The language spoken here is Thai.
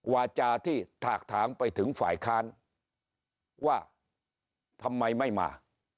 วาจาที่ถากถางไปถึงฝ่ายค้านว่าทำไมไม่มา